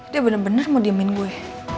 dia bener bener mau diamin gue